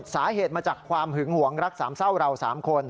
สาเหตุมาจากความหึงหวงรักสามเศร้าเรา๓คน